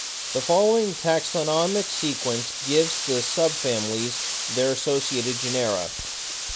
The following taxonomic sequence gives the subfamilies, their associated genera.